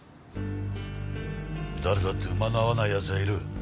誰だって馬の合わない奴がいる。